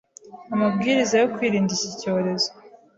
amabwiriza yo kwirinda iki cyorezo.